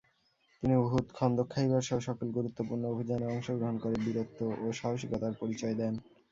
তিনি Uhud, Khandaq, খাইবারসহ সকল গুরুত্বপূর্ণ অভিযানে অংশগ্রহণ করে বীরত্ব ও সাহসিকতার পরিচয় দেন।